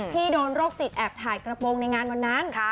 โดนโรคจิตแอบถ่ายกระโปรงในงานวันนั้น